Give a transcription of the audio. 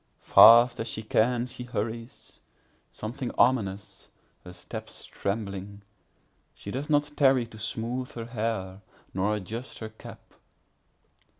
Fast as she can she hurries—something ominous—her steps trembling; She does not tarry to smoothe her hair, nor adjust her cap.